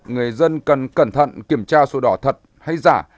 người dân cần cẩn thận kiểm tra sổ đỏ thật hay giả